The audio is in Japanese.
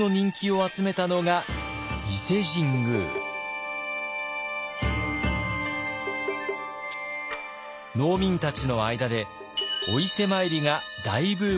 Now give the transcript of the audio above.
農民たちの間でお伊勢参りが大ブームとなりました。